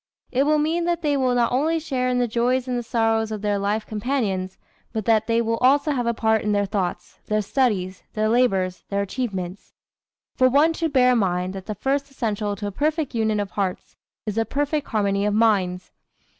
It will mean that they will not only share in the joys and the sorrows of their life companions, but that they will also have a part in their thoughts, their studies, their labors, their achievements. For one should bear in mind that the first essential to a perfect union of hearts is a perfect harmony of minds.